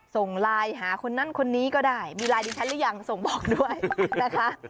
ส่งไลน์หาคนนั้นคนนี้ก็ได้มีไลน์ดิฉันหรือยังส่งบอกด้วยนะคะ